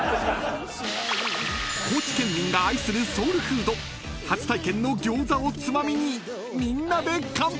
［高知県民が愛するソウルフード初体験の餃子をつまみにみんなで乾杯］